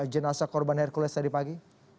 jenazah korban hercules tadi pagi